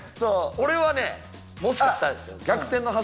俺はねもしかしたらですよ。